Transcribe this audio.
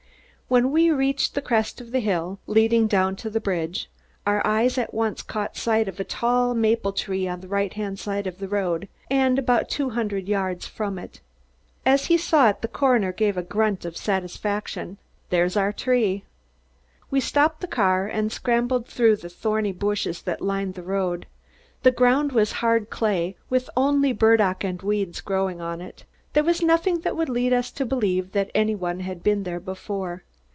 When we reached the crest of the hill leading down to the bridge, our eyes at once caught sight of a tall maple tree, on the right hand side of the road and about two hundred yards from it. As he saw it the coroner gave a grunt of satisfaction. "There's our tree." We stopped the car and scrambled through the thorny bushes that lined the road. The ground was hard clay with only burdock and weeds growing on it. There was nothing that would lead us to believe that any one had been there before.